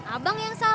abang yang salah